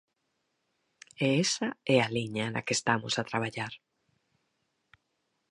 E esa é a liña na que estamos a traballar.